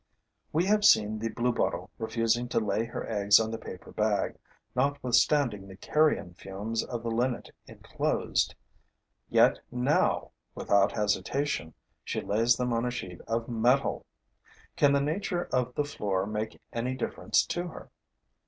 We have seen the bluebottle refusing to lay her eggs on the paper bag, notwithstanding the carrion fumes of the Linnet enclosed; yet now, without hesitation, she lays them on a sheet of metal. Can the nature of the floor make any difference to her?